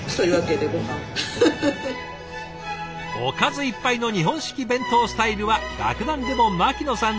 おかずいっぱいの日本式弁当スタイルは楽団でも牧野さん